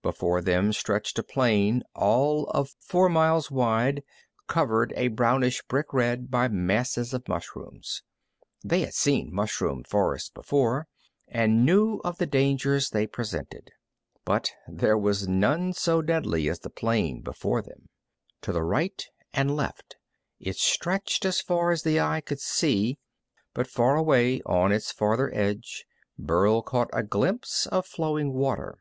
Before them stretched a plain all of four miles wide, colored a brownish brick red by masses of mushrooms. They had seen mushroom forests before, and knew of the dangers they presented, but there was none so deadly as the plain before them. To right and left it stretched as far as the eye could see, but far away on its farther edge Burl caught a glimpse of flowing water.